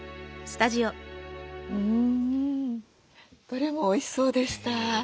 どれもおいしそうでした。